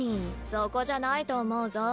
そこじゃないと思うぞ。